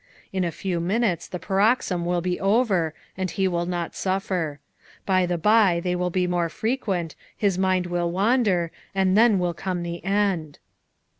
In a few minutes the paroxysm will be over and he will not suffer. By and by they will be more frequent, his mind will wander, and then will come the end.